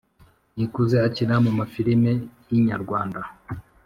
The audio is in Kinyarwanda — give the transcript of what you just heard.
nikuze akina mu mafilime yinyarwanda